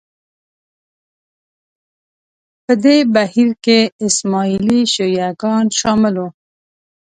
په دې بهیر کې اسماعیلي شیعه ګان شامل وو